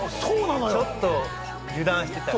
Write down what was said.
ちょっと油断してたら。